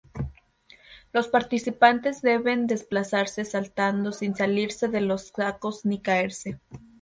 Los participantes deben desplazarse saltando sin salirse de los sacos ni caerse.